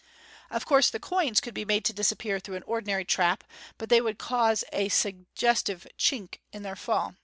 Of course the coins could be marie to disappear through an ordinary trap, but they would cause a sug gestive "chink" in their fall.